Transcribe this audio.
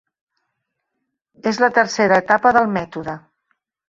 És la tercera etapa del mètode.